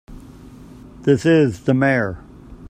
This is the Mayor.